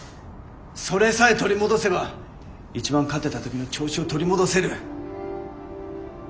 それさえ取り戻せば一番勝ってた時の調子を取り戻せる。